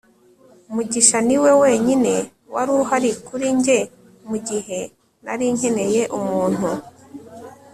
mugisha niwe wenyine wari uhari kuri njye mugihe nari nkeneye umuntu